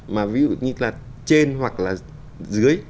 mà ví dụ như là trên hoặc là dưới